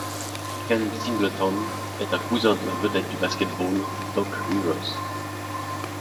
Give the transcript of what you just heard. Ken Singleton est un cousin de la vedette du basketball Doc Rivers.